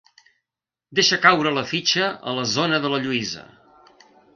Deixa caure la fitxa a la zona de la Lluïsa.